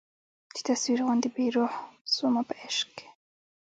چي تصویر غوندي بې روح سومه په عشق کي